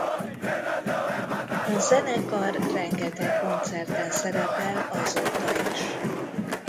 A zenekar rengeteg koncerten szerepel azóta is.